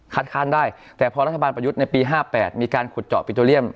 ค้านได้แต่พอรัฐบาลประยุทธ์ในปี๕๘มีการขุดเจาะปิโตเรียม